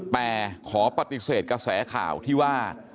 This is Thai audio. แต่ขอปฏิเสธกระแสข่าวที่ว่า